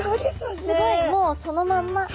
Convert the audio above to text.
すごいもうそのまんま。